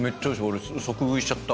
俺即食いしちゃった。